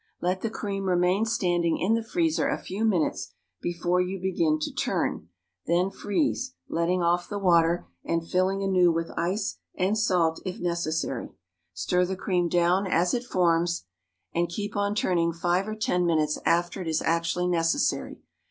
Let the cream remain standing in the freezer a few minutes before you begin to turn; then freeze, letting off the water, and filling anew with ice and salt if necessary. Stir the cream down as it forms, and keep on turning five or ten minutes after it is actually necessary.